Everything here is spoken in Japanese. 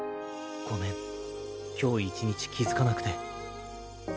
ごめん今日一日気付かなくて。